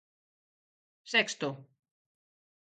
Sexto: